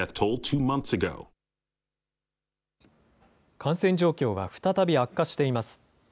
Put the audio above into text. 感染状況は再び悪化しています。